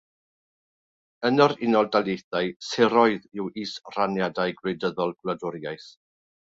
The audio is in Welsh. Yn yr Unol Daleithiau, siroedd yw israniadau gwleidyddol gwladwriaeth.